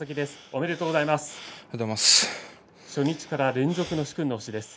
おめでとうございます。